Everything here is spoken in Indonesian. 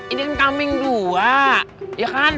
ini kan kambing dua